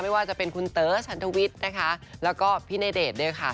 ไม่ว่าจะเป็นคุณเต๋อชันทวิทย์นะคะแล้วก็พี่ณเดชน์ด้วยค่ะ